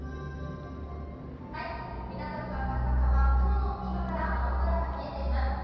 港区赤坂は雲の隙間から青空が見えています。